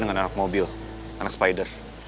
dengan anak mobil anak spider